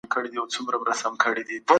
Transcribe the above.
طبیعي قوانین ثابت پاته کيږي.